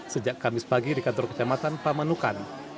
sejak kamis pagi di kantor kecamatan pamanukan